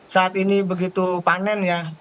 saat ini begitu panen ya